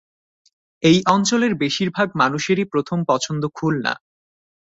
এই অঞ্চলের বেশির ভাগ মানুষেরই প্রথম পছন্দ খুলনা।